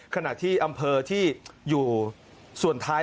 ขณะที่อำเภอที่อยู่ส่วนท้าย